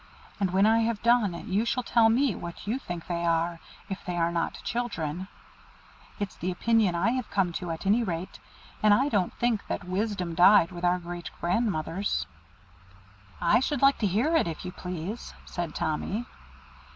And when I have done you shall tell me what you think they are, if they are not children. It's the opinion I have come to at any rate, and I don't think that wisdom died with our great grandmothers." "I should like to hear if you please," said Tommy.